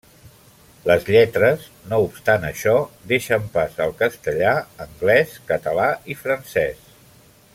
Les lletres, no obstant això, deixen pas al castellà, anglès, català i francès.